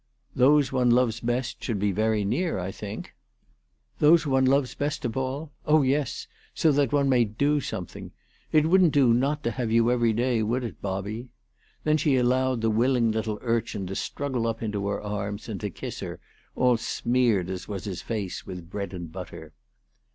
" Those one loves best should be very near, I think." ALICE DUGDALE. 335 " Those one loves best of all ? Oh yes, so that one may do something. It wouldn't do not to have you every day, would it, Bobby ?" Then she allowed the willing little urchin to struggle up into her arms and to kiss her, all smeared as was his face with bread and butter.